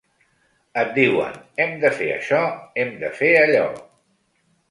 Et diuen “hem de fer això, hem de fer allò”.